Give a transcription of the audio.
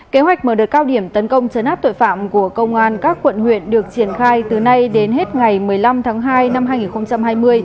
kế hoạch mở đợt cao điểm tấn công chấn áp tội phạm của công an các quận huyện được triển khai từ nay đến hết ngày một mươi năm tháng hai năm hai nghìn hai mươi